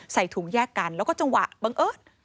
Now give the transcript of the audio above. ใส่ถุงแยกกันแล้วเรารู้วัย